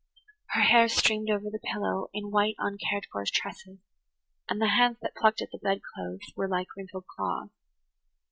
Her hair streamed over the pillow in white, uncared for tresses, and the hands that plucked at the bed clothes were like wrinkled claws.